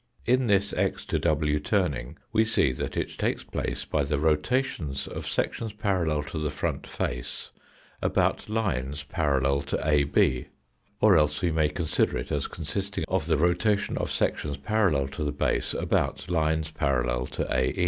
In this x to w turning, we see that it takes place by the rotations of sections parallel to the front face about lines parallel to AB, or else we may consider it as consisting of the rotation of sections parallel to the base about lines parallel to AE.